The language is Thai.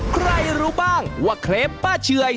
ใครรู้บ้างว่าเคลป้าเชื่อย